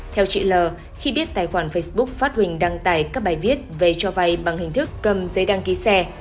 theo chị l khi biết tài khoản facebook phát huỳnh đăng tải các bài viết về cho vay bằng hình thức cầm giấy đăng ký xe